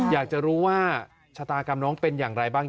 อยากจะรู้ว่าชะตากรรมน้องเป็นอย่างไรบ้าง